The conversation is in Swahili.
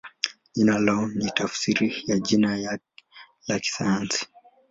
Jina lao ni tafsiri ya jina la kisayansi.